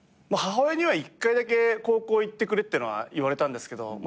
母親には１回だけ高校行ってくれってのは言われたんですけど。